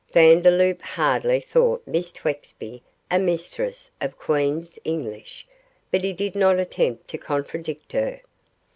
Vandeloup hardly thought Miss Twexby a mistress of Queen's English, but he did not attempt to contradict her.